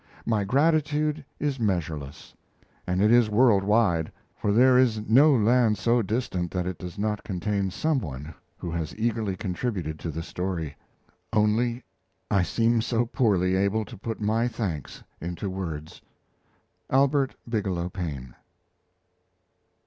My gratitude is measureless; and it is world wide, for there is no land so distant that it does not contain some one who has eagerly contributed to the story. Only, I seem so poorly able to put my thanks into words. Albert Bigelow Paine.